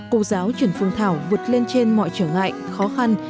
cô giáo trần phương thảo vượt lên trên mọi trở ngại khó khăn